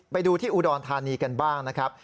ไปดูที่อุดรธานีกันบ้างนะครับ